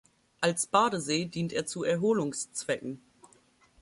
Als Badesee dient er zu Erholungszwecken.